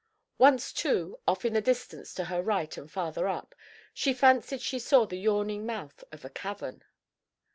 Once, too, off some distance to her right and farther up, she fancied she saw the yawning mouth of a cavern.